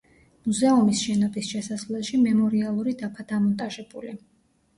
მუზეუმის შენობის შესასვლელში მემორიალური დაფა დამონტაჟებული.